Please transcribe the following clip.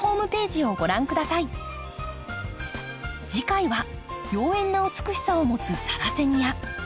次回は妖艶な美しさを持つ「サラセニア」。